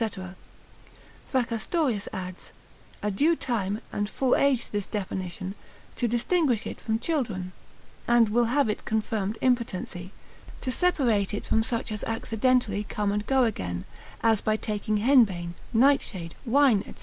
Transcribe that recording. Fracastorius adds, a due time, and full age to this definition, to distinguish it from children, and will have it confirmed impotency, to separate it from such as accidentally come and go again, as by taking henbane, nightshade, wine, &c.